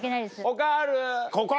他ある？